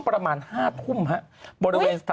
ไม่มีนะครับไม่มีนะครับ